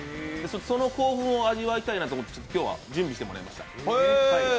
その興奮を味わいたいなと思って今日は準備してもらいました。